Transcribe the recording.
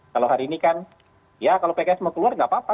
kalau hari ini kan ya kalau pks mau keluar nggak apa apa